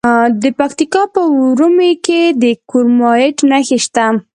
د پکتیکا په ورممی کې د کرومایټ نښې شته.